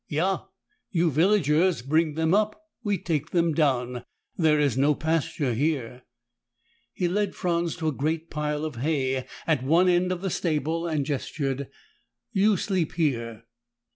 "Yah. You villagers bring them up. We take them down. There is no pasture here." He led Franz to a great pile of hay at one end of the stable and gestured. "You sleep here."